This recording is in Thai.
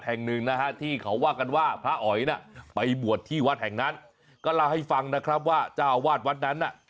แห่งหนึ่งนะฮะที่เขาว่ากันว่าพระอ๋อยน่ะไปบวชที่วัดแห่งนั้นก็เล่าให้ฟังนะครับว่าเจ้าอาวาสวัดนั้นน่ะ